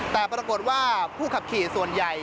แต่ปรากฏว่าผู้ขับขี่ส่วนใหญ่